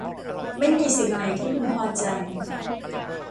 ไม่มีสิ่งไหนที่พึงพอใจ